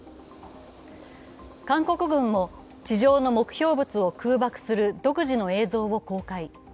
韓国軍も地上の目標物を空爆する独自の映像を公開。